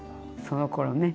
そのころね。